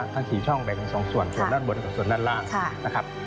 ทั้งสี่ช่องแตกเป็นสองส่วนส่วนด้านบนตัวส่วนด้านล่าง